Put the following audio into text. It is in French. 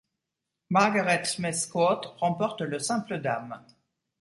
Margaret Smith Court remporte le simple dames.